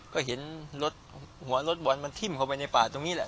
ก็เห็นรถหัวรถบอลมันทิ้มเข้าไปในป่าตรงนี้แหละ